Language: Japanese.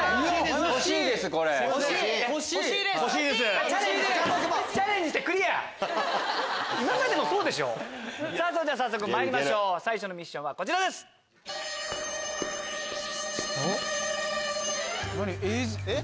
それでは早速まいりましょう最初のミッションはこちらです。えっ？